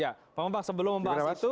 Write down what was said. ya pak bambang sebelum membahas itu